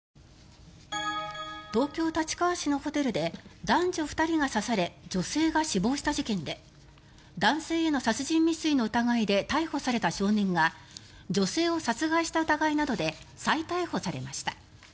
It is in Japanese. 東京・立川市のホテルで男女２人が刺され女性が死亡した事件で男性への殺人未遂の疑いで逮捕された少年が女性を殺害した疑いなどで再逮捕されました。